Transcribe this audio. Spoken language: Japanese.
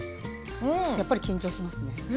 やっぱり緊張しますね。